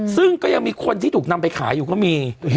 ซึ่งก็ยังมีคนที่ถูกนำไปขายอยู่ก็มี